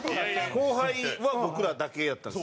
後輩は僕らだけやったんですよ。